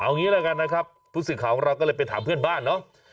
เอางี้แล้วกันนะครับผู้สื่อข่าวของเราก็เลยไปถามเพื่อนบ้านเนาะ